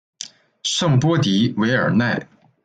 圣波迪韦尔奈。